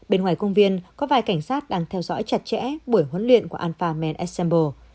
bên ngoài công viên có vài cảnh sát đang theo dõi chặt chẽ buổi huấn luyện của alpha men exxon